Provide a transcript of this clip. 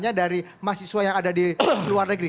khususnya dari mahasiswa yang ada di luar negeri